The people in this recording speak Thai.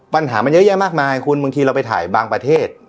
ปัญหามันเยอะแยะมากมายคุณบางทีเราไปถ่ายบางประเทศ